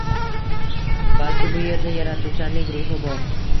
balki bu yerda yaratuvchanlik ruhi bor